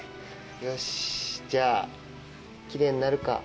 よし、じゃあ、きれいになるか！